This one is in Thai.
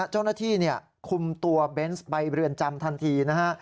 เจ้าหน้าที่คุมตัวเบนส์ไปเรือนจำทันทีนะฮะ